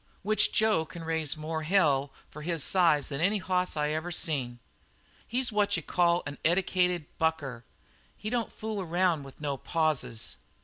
Which Jo can raise more hell for his size than any hoss I ever seen. "He's what you call an eddicated bucker. He don't fool around with no pauses.